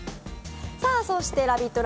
そしてラヴィット！